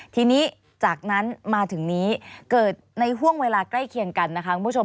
ทีนี้จากนั้นมาถึงนี้เกิดในห่วงเวลาใกล้เคียงกันนะคะคุณผู้ชม